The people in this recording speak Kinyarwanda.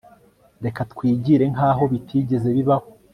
Reka twigire nkaho bitigeze bibaho